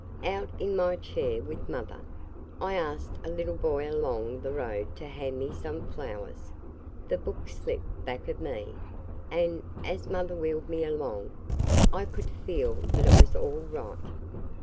"Out in my chair, with mother. I asked a little boy along the road to hand me some flowers, the book slipped back of me, and, as mother wheeled me along, I could feel that it was all right.